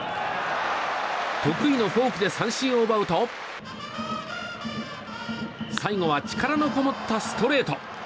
得意のフォークで三振を奪うと最後は力のこもったストレート。